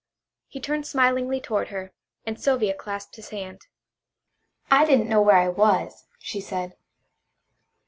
He turned smilingly toward her, and Sylvia clasped his hand. "I didn't know where I was," she said.